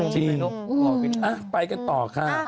จริงไปกันต่อค่ะ